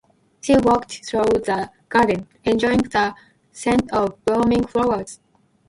She walked through the garden, enjoying the scent of blooming flowers.